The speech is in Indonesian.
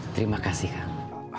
terima kasih kang